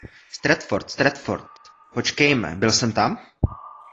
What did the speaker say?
Stratford, Stratford, počkejme, byl jsem tam?